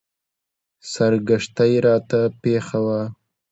سرګښتۍ راته پېښه وه.